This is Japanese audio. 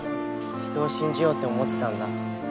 人を信じようって思ってたんだ。